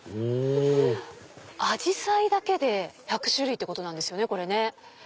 アジサイだけで１００種類ってことなんですよねこれね。